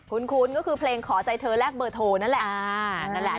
คุ้นก็คือเพลงขอใจเธอแลกเบอร์โทนั่นแหละ